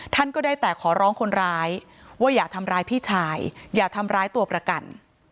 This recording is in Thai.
ท่านก็ได้แต่ขอร้องคนร้ายว่าอย่าทำร้ายพี่ชายอย่าทำร้ายตัวประกัน